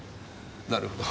なるほど。